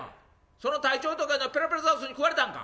その隊長とかいうのペラペラザウルスに食われたんか」。